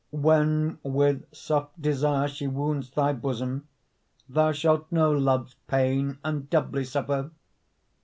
When with soft desire she wounds thy bosom, Thou shalt know love's pain and doubly suffer.